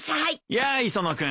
やあ磯野君。